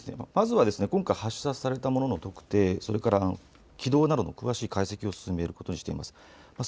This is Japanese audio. まず今回、発射されたものの特定、それから軌道などの解析を進めていくことにしています。